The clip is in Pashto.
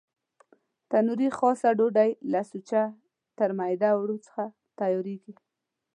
تنوري خاصه ډوډۍ له سوچه ترمیده اوړو څخه تیارېږي.